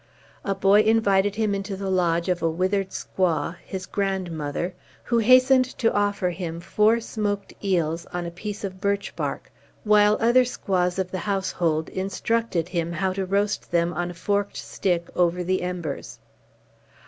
A boy invited him into the lodge of a withered squaw, his grandmother, who hastened to offer him four smoked eels on a piece of birch bark, while other squaws of the household instructed him how to roast them on a forked stick over the embers.